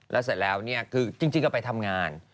แล้วเสร็จแล้วเนี่ยคือจริงก็ไปทำงาน